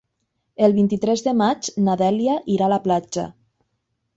El vint-i-tres de maig na Dèlia irà a la platja.